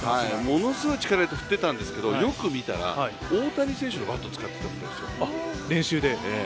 ものすごい力入れて振っていたんですけれどもよく見たら、大谷選手のバット使っていたみたいなんですよ、練習で。